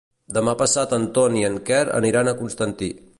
Demà passat en Ton i en Quer aniran a Constantí.